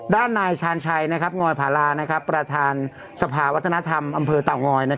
ด้านนายชาญชัยงอยพาราประธานสภาวัฒนธรรมอำเภอเต่างอย